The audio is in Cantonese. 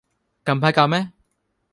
近排搞咩